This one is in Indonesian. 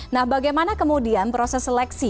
nah bagaimana kemudian proses seleksi